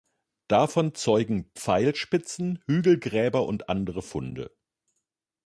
Davon zeugen Pfeilspitzen, Hügelgräber und andere Funde.